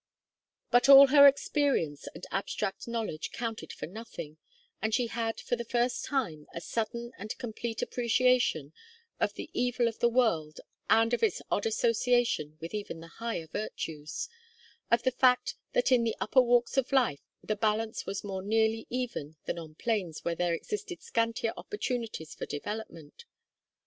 But all her experience and abstract knowledge counted for nothing, and she had for the first time a sudden and complete appreciation of the evil of the world and of its odd association with even the higher virtues; of the fact that in the upper walks of life the balance was more nearly even than on planes where there existed scantier opportunities for development.